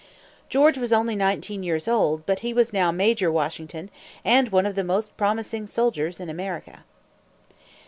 George was only nineteen years old, but he was now Major Washington, and one of the most promising soldiers in America.